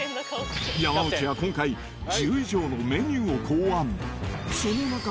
山内は今回、１０以上のメニューを考案。